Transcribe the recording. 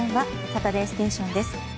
「サタデーステーション」です。